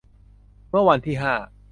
เมื่อวันที่ ห้า